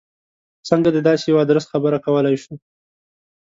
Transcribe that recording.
څنګه د داسې یوه ادرس خبره کولای شو.